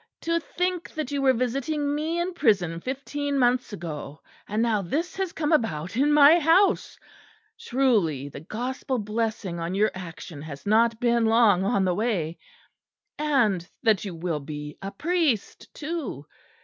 "To think that you were visiting me in prison fifteen months ago; and now this has come about in my house! Truly the Gospel blessing on your action has not been long on the way! And that you will be a priest, too!